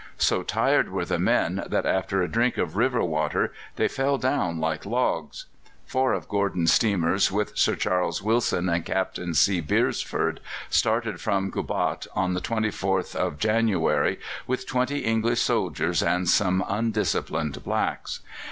So tired were the men that, after a drink of river water, they fell down like logs. Four of Gordon's steamers, with Sir Charles Wilson and Captain C. Beresford, started from Gubat on the 24th of January with twenty English soldiers and some undisciplined blacks.